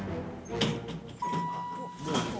あっもういる。